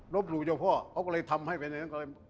หลู่เจ้าพ่อเขาก็เลยทำให้เป็นอย่างนั้นก็เลย